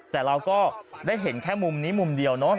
แต่เราก็ได้เห็นแค่มุมนี้มุมเดียวเนาะ